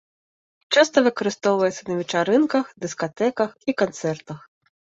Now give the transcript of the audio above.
Часта выкарыстоўваецца на вечарынках, дыскатэках і канцэртах.